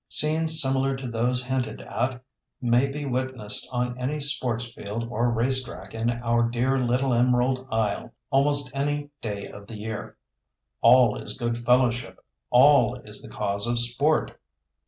Scenes similar to those hinted at may be witnessed on any sports field or racetrack in our dear little Emerald Isle almost any day of the year. All is good fellowship; all is in the cause of sport.